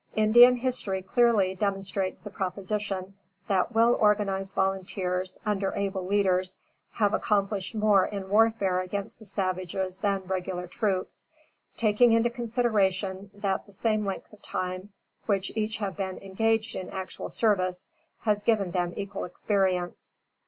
Indian history clearly demonstrates the proposition, that well organized volunteers, under able leaders, have accomplished more in warfare against the savages than regular troops, taking into consideration that the same length of time, which each have been engaged in actual service, has given them equal experience.